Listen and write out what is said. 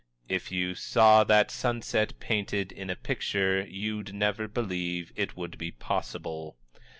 "_If you saw that sunset painted in a picture, you'd never believe it would be possible!